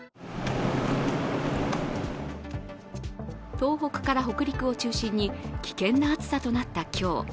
東北から北陸を中心に危険な暑さとなった今日。